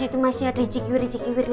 itu masih ada cikiwir ciikiwirnya